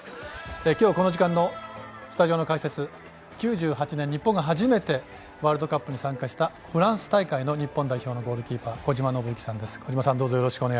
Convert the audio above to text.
今日、この時間のスタジオの解説９８年、日本が初めてワールドカップに参加したフランス大会の日本代表のゴールキーパー小島伸幸さんです。